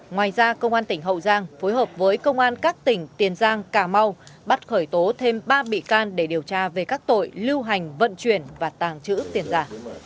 ngoài ra công an tỉnh hậu giang phối hợp với công an các tỉnh tiền giang cà mau bắt khởi tố thêm ba bị can để điều tra về các tội lưu hành vận chuyển và tàng trữ tiền giả